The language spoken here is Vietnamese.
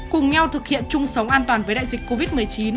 cùng nhau thực hiện chung sống an toàn với đại dịch covid một mươi chín